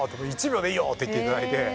１秒で「いいよ」って言っていただいて。